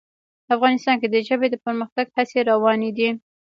افغانستان کې د ژبې د پرمختګ هڅې روانې دي.